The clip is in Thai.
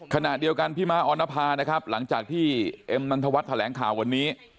ขณะเดียวกันพี่ม้าออนภานะครับหลังจากที่เอ็มนันทวัฒน์แถลงข่าววันนี้